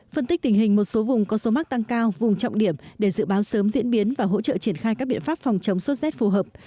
phân tích tình hình một số vùng có số mắc tăng cao vùng trọng điểm để dự báo sớm diễn biến và hỗ trợ triển khai các biện pháp phòng chống sốt z phù hợp